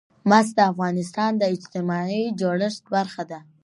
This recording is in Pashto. مس د افغانستان د اجتماعي جوړښت برخه ده.